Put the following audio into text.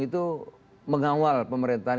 itu mengawal pemerintahan